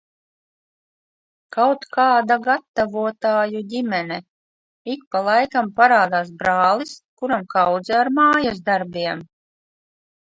Kaut kāda gatavotāju ģimene. Ik pa laikam parādās brālis, kuram kaudze ar mājasdarbiem.